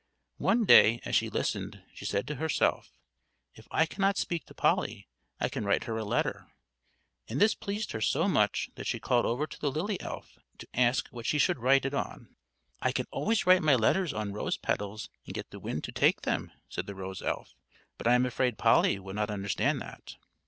One day as she listened she said to herself, "If I cannot speak to Polly, I can write her a letter;" and this pleased her so much that she called over to the lily elf to ask what she should write it on. "I always write my letters on rose petals, and get the wind to take them," said the rose elf. "But I am afraid Polly would not understand that."